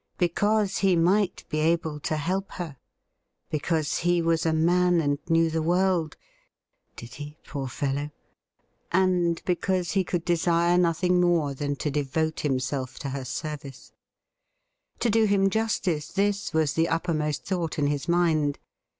Because he might be able to help her ; because he was a man and knew the world — did he, poor fellow ?— and because he could desire nothing more than to devote himself to her service. To do him justice, this was the uppermost thought in his mind.